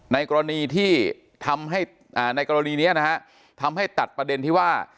ในกรณีที่ทำให้ในกรณีนี้นะฮะทำให้ตัดประเด็นที่ว่า